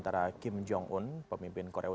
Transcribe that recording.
terima kasih banyak